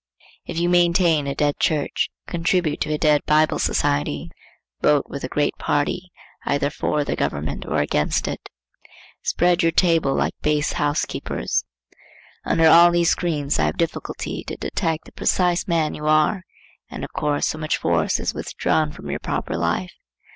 If you maintain a dead church, contribute to a dead Bible society, vote with a great party either for the government or against it, spread your table like base housekeepers,—under all these screens I have difficulty to detect the precise man you are: and of course so much force is withdrawn from your proper life.